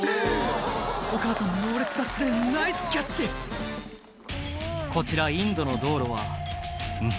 お母さん猛烈ダッシュでナイスキャッチこちらインドの道路はん？